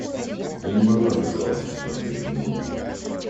Я не могла без жалости смотреть на него.